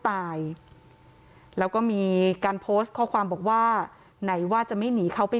ตายแล้วก็มีการโพสต์ข้อความบอกว่าไหนว่าจะไม่หนีเขาไป